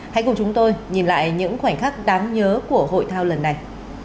hãy cùng chúng tôi nhìn lại những khoảnh khắc đáng nhớ của hội thao lần này